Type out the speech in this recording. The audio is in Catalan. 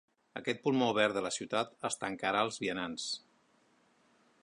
Aquest pulmó verd de la ciutat es tancarà als vianants.